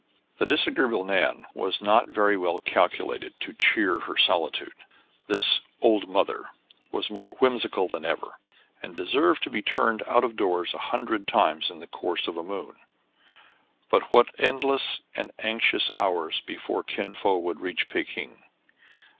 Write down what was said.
The disagreeable Nan was not very well calculated to cheer her solitude. This "old mother " was more whimsical than ever, and de served to be turned out of doors a hundred times in the course of a moon. But what endless and anxious hours before Kin Fo would reach Pekin !